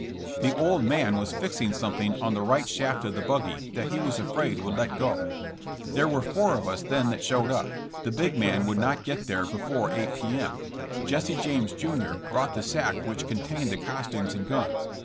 The old man was fixing something on the right shaft of the buggy that he was afraid would let go. *' There were four of us then that showed up — the big man would not get there before 8 p. m. Jesse James, jr., brought the sack which contained the costumes and guns.